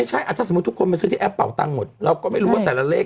ถ้าสมมุติทุกคนมาซื้อที่แป๊งหมดเราก็ไม่รู้ว่าแต่ละเลข